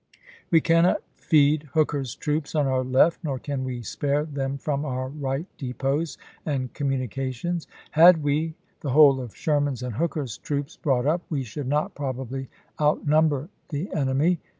"We cannot feed Hooker's troops on our left, nor can we spare them from our right depots and communications. .. Had we ... the whole of Sherman's and Hooker's troops CHICKAMAUGA 117 brought up, we should not probably outnumber the chap. iv. enemy.